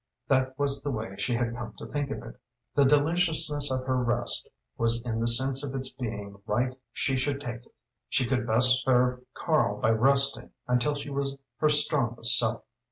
that was the way she had come to think of it. The deliciousness of her rest was in the sense of its being right she should take it; she could best serve Karl by resting until she was her strongest self.